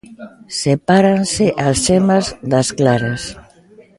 Sepáranse as xemas das claras.